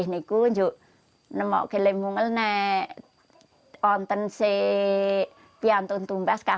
saya ingin menjelaskan